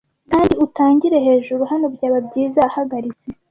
Kandi utangire hejuru ---- 'Hano, byaba byiza ahagaritse.